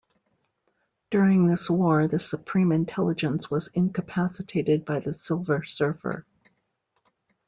During this war, the Supreme Intelligence was incapacitated by the Silver Surfer.